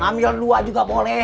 ambil dua juga boleh